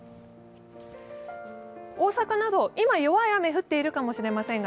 大阪など、今、弱い雨が降っているかもしれませんが、